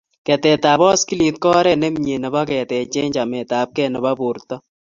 Keteetab baskilit ko oret nemie nebo keteechei chametabgei nebo borto